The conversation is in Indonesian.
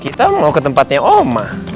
kita mau ke tempatnya oma